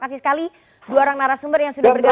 sekali dua orang narasumber yang sudah bergerak